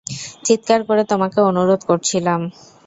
চিৎকার করে তোমাকে অনুরোধ করছিলাম!